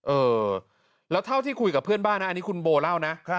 เออแล้วเท่าที่คุยกับเพื่อนบ้านนะอันนี้คุณโบเล่านะ